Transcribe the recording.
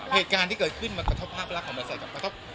เหตุการณ์ที่เกิดขึ้นมากระทบภาพรักษณ์ของเมืองเศรษฐกราศาสตร์